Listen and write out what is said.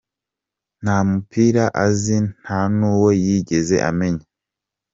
Nta mupira azi nta n’uwo yigeze amenya.